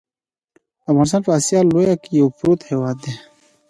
افغانستان په اسیا لویه کې یو پروت هیواد دی .